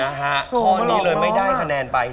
นะฮะตอนนี้เลยไม่ได้คะแนนไป